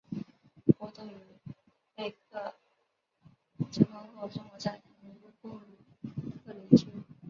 波顿与弗雷克结婚后生活在纽约布鲁克林区。